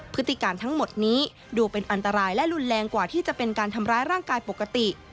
พฤติการทั้งหมดนี้ดูเป็นอันตรายและรุนแรงกว่าที่จะเป็นการทำร้ายร่างกายปกติ